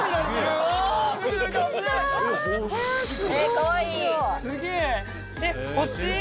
かわいい。